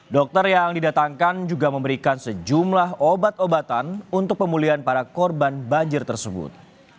dokter yang didatangkan juga memberikan sejumlah obat obatan untuk pemulihan para korban banjir tersebut